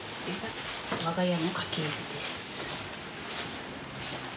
我が家の家系図です。